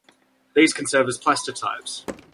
These can serve as plastotypes.